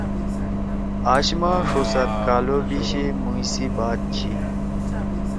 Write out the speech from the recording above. آش ما ݜو سات کال او بیشے مُوش سی بات چھی۔